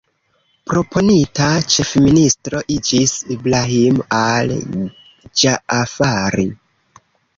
Proponita ĉefministro iĝis Ibrahim al-Ĝaafari.